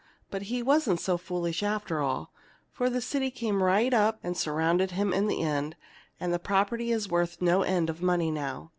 But he wasn't so foolish after all, for the city came right up and surrounded him in the end, and the property is worth no end of money now.